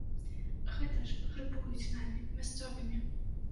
Гэта ж грэбуюць намі, мясцовымі!